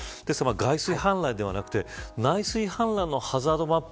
外水氾濫ではなくて内水氾濫のハザードマップ